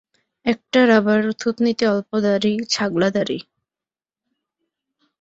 একটার আবার থুতনিতে অল্প দাড়ি, ছাগলা দাড়ি।